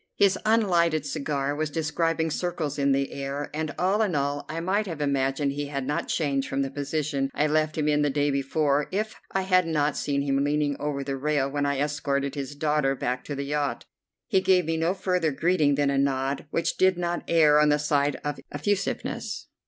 His unlighted cigar was describing circles in the air, and all in all I might have imagined he had not changed from the position I left him in the day before if I had not seen him leaning over the rail when I escorted his daughter back to the yacht. He gave me no further greeting than a nod, which did not err on the side of effusiveness.